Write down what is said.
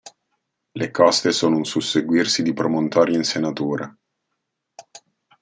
Le coste sono un susseguirsi di promontori e insenature.